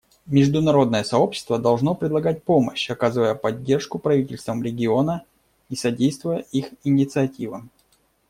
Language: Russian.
Международное сообщество должно предлагать помощь, оказывая поддержку правительствам региона и содействуя их инициативам.